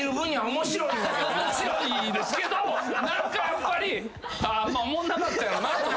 面白いですけど何かやっぱりおもんなかったんやろなとか。